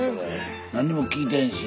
何も聞いてへんし。